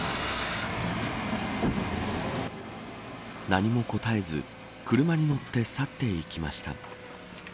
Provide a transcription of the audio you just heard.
何も答えず車に乗って去っていきました。